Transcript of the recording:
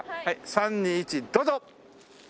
３２１どうぞ！